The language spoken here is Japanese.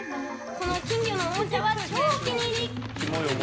この金魚のおもちゃは超お気に入り！